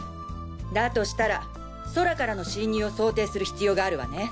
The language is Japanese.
だとしたら空からの侵入を想定する必要があるわね。